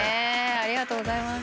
ありがとうございます。